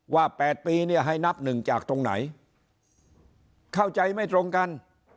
๘ปีเนี่ยให้นับหนึ่งจากตรงไหนเข้าใจไม่ตรงกัน